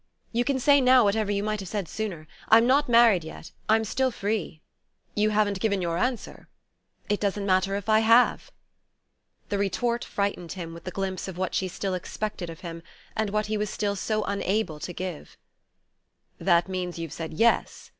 You can say now whatever you might have said sooner. I'm not married yet: I'm still free." "You haven't given your answer?" "It doesn't matter if I have." The retort frightened him with the glimpse of what she still expected of him, and what he was still so unable to give. "That means you've said yes?"